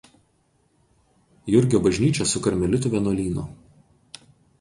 Jurgio bažnyčia su karmelitų vienuolynu.